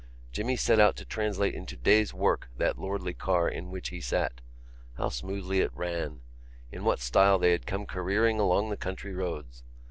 Jimmy set out to translate into days' work that lordly car in which he sat. How smoothly it ran. In what style they had come careering along the country roads!